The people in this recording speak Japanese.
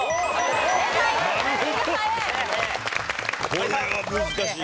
これは難しい。